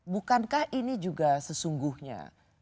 bukankah ini juga sesungguhnya